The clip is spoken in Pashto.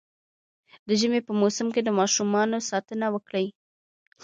د ژمي په موسم کي د ماشومانو ساتنه وکړئ